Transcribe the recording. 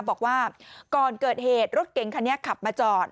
บอกว่าก่อนเกิดเหตุรถเก๋งคันนี้ขับมาจอด